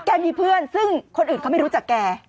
มีเพื่อนซึ่งคนอื่นเขาไม่รู้จักแก